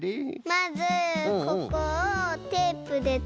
まずここをテープでとめて。